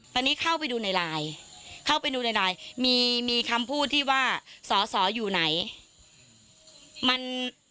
ตอนนี้เข้าไปดูในไลน์มีคำพูดหนีว่าสออยู่ไหน